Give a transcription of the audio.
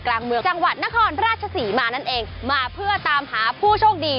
กลางเมืองจังหวัดนครราชศรีมานั่นเองมาเพื่อตามหาผู้โชคดี